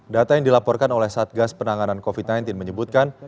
data yang dilaporkan oleh satgas penanganan covid sembilan belas menyebutkan